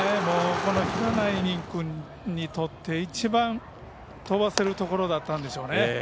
この平内君にとって一番、飛ばせるところだったんでしょうね。